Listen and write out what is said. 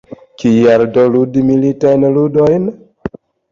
Kial do ludi militajn ludilojn?